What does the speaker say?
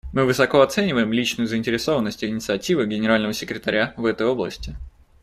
Мы высоко оцениваем личную заинтересованность и инициативы Генерального секретаря в этой области.